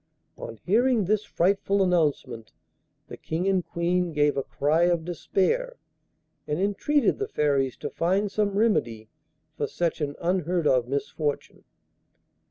On hearing this frightful announcement, the King and Queen gave a cry of despair, and entreated the Fairies to find some remedy for such an unheard of misfortune.